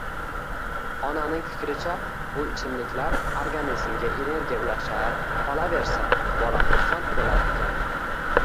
Onaning fikricha, bu ichimliklar organizmga energiya ulashar, qolaversa, bola xursand boʻlar ekan